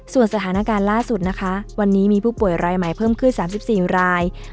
ส่วนสถานการณ์ล่าสุดนะคะวันนี้มีผู้ป่วยรายใหม่เพิ่มขึ้น๓๔ราย